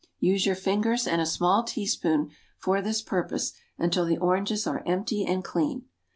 Use your fingers and a small teaspoon for this purpose until the oranges are empty and clean.